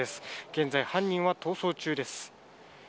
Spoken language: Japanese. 現在、犯人は逃走中です。